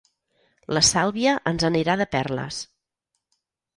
La Sàlvia ens anirà de perles.